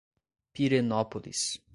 Pirenópolis